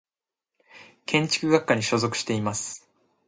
建築学科に所属しています。